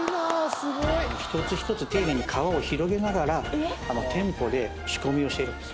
一つ一つ丁寧に皮を広げながら店舗で仕込みをしているんです。